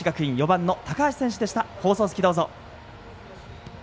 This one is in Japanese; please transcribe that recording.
山梨学院の４番高橋選手でした。